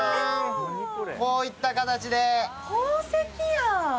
こういった形で。